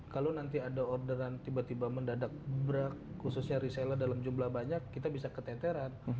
kalau nanti ada orderan tiba tiba mendadak bebrak khususnya reseller dalam jumlah banyak kita bisa keteteran